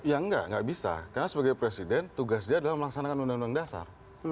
ya enggak enggak bisa karena sebagai presiden tugas dia adalah melaksanakan undang undang dasar